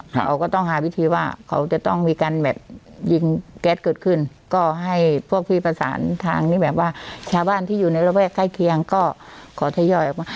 เขาก็ต้องหาวิธีว่าเขาจะต้องมีการแบบยิงแก๊สเกิดขึ้นก็ให้พวกพี่ประสานทางนี้แบบว่าชาวบ้านที่อยู่ในระแวกใกล้เคียงก็ขอทยอยออกมา